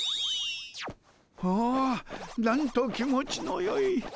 おおなんと気持ちのよい。